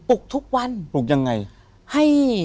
ปลุกทุกวันปลุกยังไง